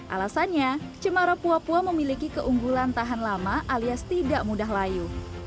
alasannya cemara pua pua memiliki keunggulan tahan lama alias tidak mudah layu